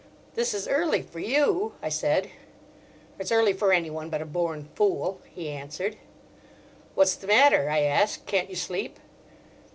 "This is early for you," I said. "It's early for anyone but a born fool," he answered. "What's the matter?" I asked. "Can't you sleep?"